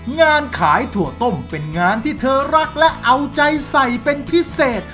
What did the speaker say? งานขายถั่วต้มเป็นงานที่เธอรักและเอาใจใส่เป็นพิเศษ